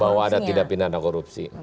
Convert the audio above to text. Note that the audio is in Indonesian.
bahwa ada tindak pidana korupsi